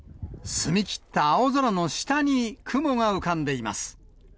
澄み切った青空の下に雲が浮かんでいます。